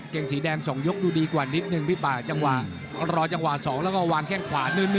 เกงสีแดง๒ยกดูดีกว่านิดนึงพี่ปะรอจังหวะ๒แล้วก็วางแข้งขวานื่นครับ